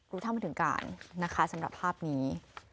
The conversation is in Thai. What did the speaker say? เท่าไม่ถึงการนะคะสำหรับภาพนี้